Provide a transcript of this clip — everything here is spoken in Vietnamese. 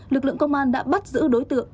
lực lượng công an đã bắt giữ đối tượng